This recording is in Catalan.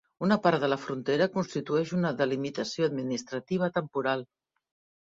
Una part de la frontera constitueix una delimitació administrativa temporal.